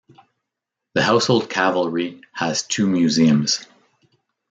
The Household Cavalry has two museums.